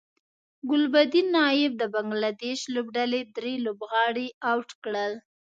ګلبدین نایب د بنګلادیش لوبډلې درې لوبغاړي اوټ کړل